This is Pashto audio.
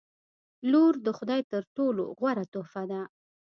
• لور د خدای تر ټولو غوره تحفه ده.